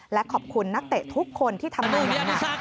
และขอบคุณนักเตะทุกคนที่ทำงานนั้น